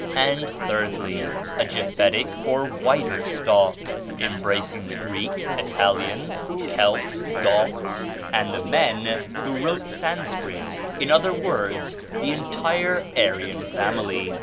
and, thirdly, a Japhetic or whiter stock, embracing the Greeks, Italians, Celts, Goths, and the men who wrote Sanscrit in other words, the entire Aryan family.